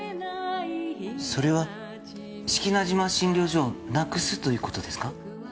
それは、志木那島診療所をなくすということですか。